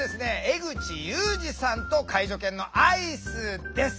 江口雄司さんと介助犬のアイスです。